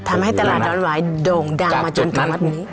ทำให้ตลาดดอนหวายโด่งดังมาจนถึงวัดนี้